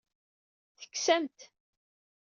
Tekkes-am-t.